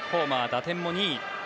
打点も２位。